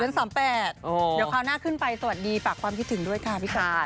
เดี๋ยวคราวหน้าขึ้นไปสวัสดีฝากความพิถึงด้วยค่ะ